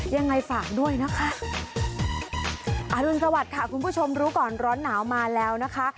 ยังไงฝากด้วยนะคะอรุณสวัสดิ์ค่ะคุณผู้ชมรู้ก่อนร้อนหนาวมาแล้วนะคะ